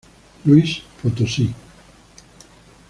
Luis Potosí.